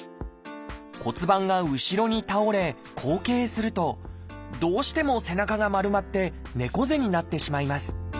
骨盤が後ろに倒れ後傾するとどうしても背中が丸まって猫背になってしまいます。